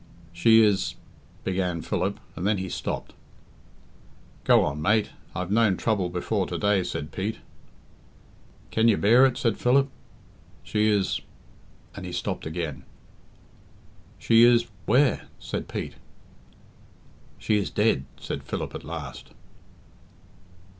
"She is " began Philip, and then he stopped. "Go on, mate; I've known trouble before to day," said Pete. "Can you bear it?" said Philip. "She is " and he stopped again. "She is where?" said Pete. "She is dead," said Philip at last.